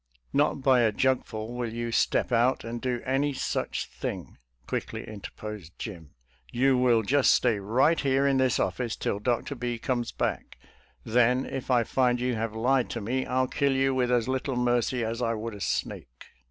" Not by a jugful will you step out and do any such thing," quickly interposed Jim. " You will just stay right here in this office till Dr. B comes back. Then, if I find you have lied to me, I'll kill you with as little mercy as I would a snake."